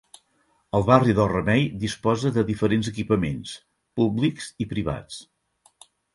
El barri del Remei disposa de diferents equipaments, públics i privats.